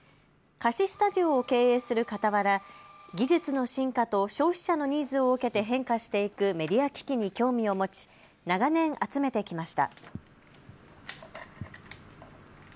貸しスタジオを経営するかたわら技術の進化と消費者のニーズを受けて変化していくメディア機器に興味を持ち長年集めてきました。